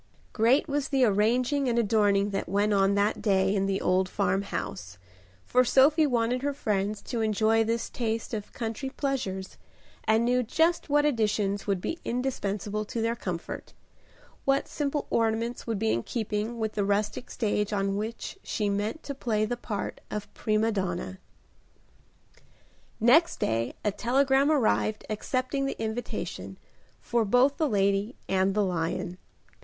Great was the arranging and adorning that went on that day in the old farmhouse, for Sophie wanted her friends to enjoy this taste of country pleasures, and knew just what additions would be indispensable to their comfort; what simple ornaments would be in keeping with the rustic stage on which she meant to play the part of prima donna. Next day a telegram arrived accepting the invitation, for both the lady and the lion.